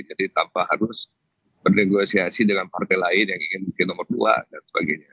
jadi tanpa harus bernegosiasi dengan partai lain yang ingin menjadi nomor dua dan sebagainya